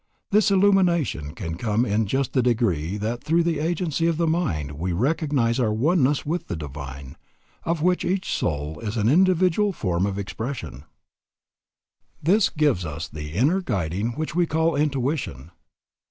This illumination can come in just the degree that through the agency of the mind we recognize our oneness with the Divine, of which each soul is an individual form of expression. This gives us the inner guiding which we call intuition.